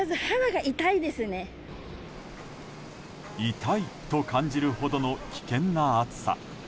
痛いと感じるほどの危険な暑さ。